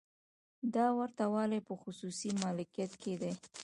دا ورته والی په خصوصي مالکیت کې دی.